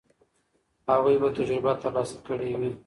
هغوی به تجربه ترلاسه کړې وي.